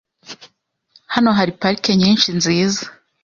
Hano hari parike nyinshi nziza .